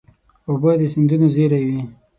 اوبه د سیندونو زېری وي.